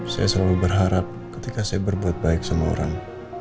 saya selalu berharap ketika saya berbuat baik sama orang